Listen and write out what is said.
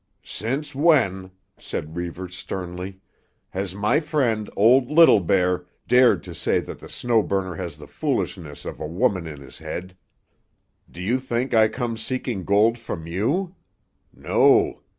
"Since when," said Reivers sternly, "has my friend, old Little Bear, dared say that the Snow Burner has the foolishness of a woman in his head? Do you think I come seeking gold from you? No.